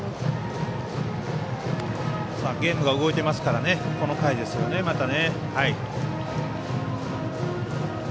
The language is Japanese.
ゲームが動いてますからこの回ですよね、また。